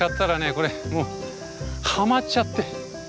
これもうはまっちゃって。